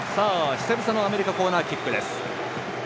久々のアメリカコーナーキックです。